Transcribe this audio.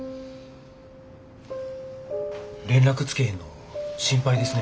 連絡つけへんの心配ですね。